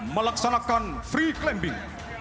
melaksanakan free climbing